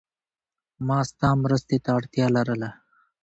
ما ستا مرستی ته اړتیا لرله.